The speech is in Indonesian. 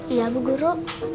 iya bu guru